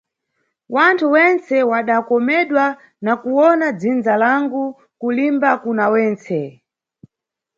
Wanthu wentse wanikomedwa na kuwona dzindza langu, kulimba kuna mwentse.